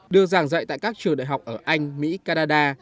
được giảng dạy tại các trường đại học ở anh mỹ canada